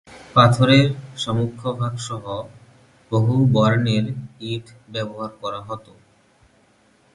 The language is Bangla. পাথরের সম্মুখভাগসহ বহুবর্ণের ইট ব্যবহার করা হতো।